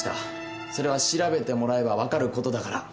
それは調べてもらえば分かることだから。